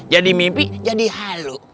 jadi mimpi jadi halu